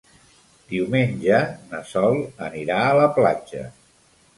Diumenge na Sol anirà a la platja.